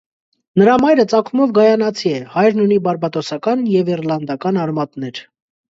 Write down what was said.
Նրա մայրը ծագումով գայանացի է, հայրն ունի բարբադոսական և իռլանդական արմատներ։